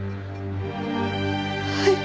はい。